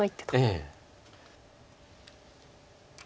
ええ。